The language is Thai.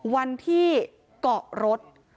วันที่เกาะรถ